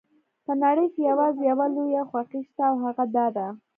په نړۍ کې یوازې یوه لویه خوښي شته او هغه دا ده.